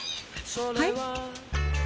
はい？